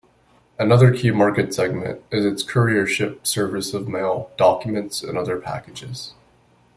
Another key market segment is its couriership service of mail, documents and other packages.